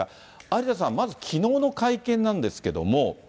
有田さん、まずきのうの会見なんですけれども。